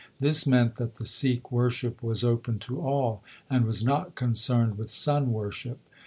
This meant that the Sikh worship was open to all, and was not concerned with sun worship.